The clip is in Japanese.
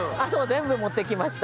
全部持っていきました。